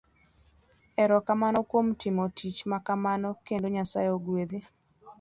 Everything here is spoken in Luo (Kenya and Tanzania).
Ero kamano kuom timo tich makamano,, kendo Nyasaye ogwedhi.